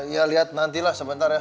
ya lihat nantilah sebentar ya